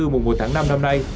mùa một tháng năm năm nay